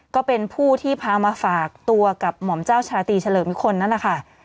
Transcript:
ก็เป็นผู้ที่พามาฝากตัวกับหม่อมเจ้าชาตรีเฉลิมนิคลนั่นแหละค่ะ